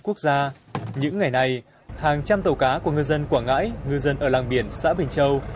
quốc gia những ngày này hàng trăm tàu cá của ngư dân quảng ngãi ngư dân ở làng biển xã bình châu